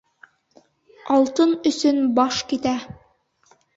Алтын өсөн баш китә.